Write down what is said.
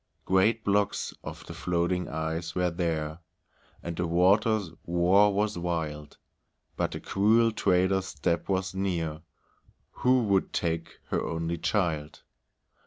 Great blocks of the floating ice were there, And the water's roar was wild, But the cruel trader's step was near, Who would take her only child.